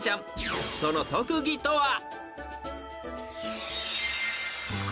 ［その特技とは？］